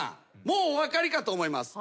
もうお分かりかと思います。